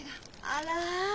あら！